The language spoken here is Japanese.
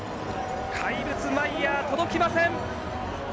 怪物マイヤー届きません！